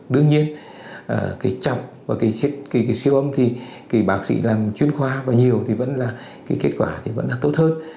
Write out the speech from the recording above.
đương nhiên cái trọng và cái siêu âm thì cái bác sĩ làm chuyên khoa và nhiều thì vẫn là cái kết quả thì vẫn là tốt hơn